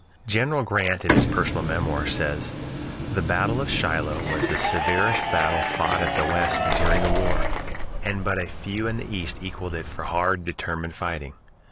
General Grant in his "Personal Memoirs" says: "The battle of Shiloh was the severest battle fought at the West during the war, and but few in the East equaled it for hard, determined fighting."